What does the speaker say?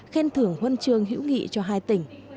khen thưởng huân chương hữu nghị cho hai tỉnh